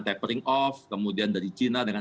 tapering off kemudian dari cina dengan